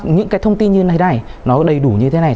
những cái thông tin như thế này nó đầy đủ như thế này